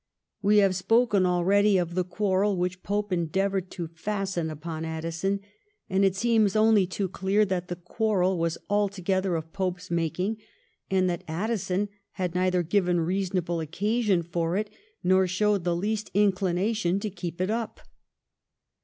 We have spoken already of the quarrel which Pope endeavoured to fasten upon Addison, and it seems only too clear that the quarrel was altogether of Pope's making, and that Addison had neither given reasonable occasion for it nor showed the least in clination to keep it up.